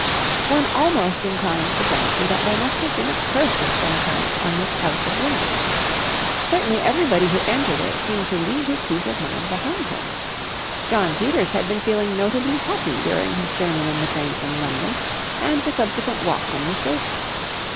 One almost inclines to fancy that there must have been a curse of some kind on this house of Windles. Certainly everybody who entered it seemed to leave his peace of mind behind him. Jno. Peters had been feeling notably happy during his journey in the train from London, and the subsequent walk from the station.